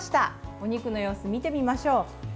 お肉の様子、見てみましょう。